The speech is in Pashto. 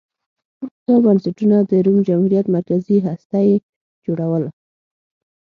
دا بنسټونه د روم جمهوریت مرکزي هسته یې جوړوله